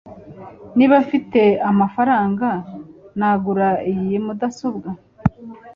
niba mfite amafaranga, nagura iyi mudasobwa